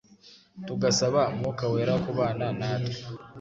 tugasaba Mwuka Wera kubana natwe